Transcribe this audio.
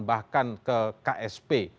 bahkan ke ksp